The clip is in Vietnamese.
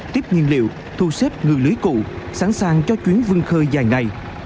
tiếp nhiên liệu thu xếp người lưới cụ sẵn sàng cho chuyến vương khơi dài ngày